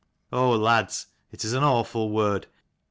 Oh lads, it is an awful word.